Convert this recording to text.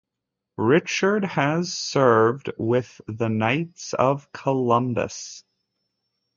Richard has served with the Knights of Columbus.